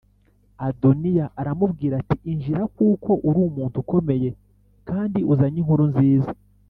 Adoniya aramubwira ati “Injira kuko uri umuntu ukomeye kandi uzanye inkuru nziza.”